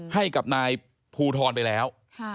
ให้กับนายภูทรไปแล้ว